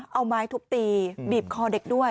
เอาไม้ทุบตีบีบคอเด็กด้วย